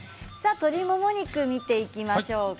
鶏もも肉を見ていきましょうか。